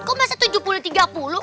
kok bisa tujuh puluh tiga puluh